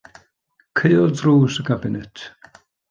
Caeodd ddrws y cabinet.